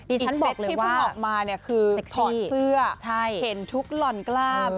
อีกเซตที่พึ่งออกมาคือถอดเสื้อเห็นทุกรอนกล้าบ